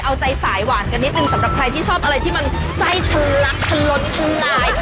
เอาใจสายหวานกันนิดนึงสำหรับใครที่ชอบอะไรที่มันไส้ทะลักทะล้นทะลาย